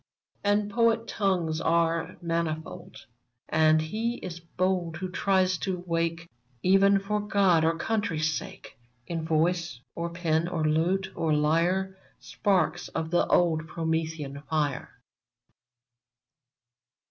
Il6 VERMONT And poet tongues are manifold ; And he is bold who tries to wake, Even for God or Country's sake, In voice, or pen, or lute, or lyre, Sparks of the old Promethean fire